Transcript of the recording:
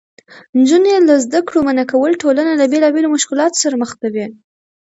نجونې له زده کړو منعه کول ټولنه له بېلابېلو مشکلاتو سره مخ کوي.